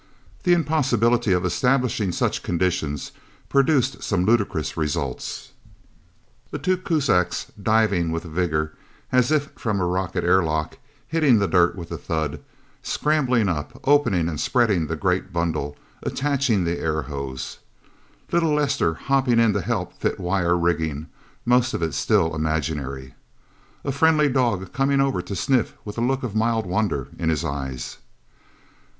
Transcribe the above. The impossibility of establishing such conditions produced some ludicrous results: The two Kuzaks diving with a vigor, as if from a rocket airlock, hitting the dirt with a thud, scrambling up, opening and spreading the great bundle, attaching the air hose. Little Lester hopping in to help fit wire rigging, most of it still imaginary. A friendly dog coming over to sniff, with a look of mild wonder in his eyes.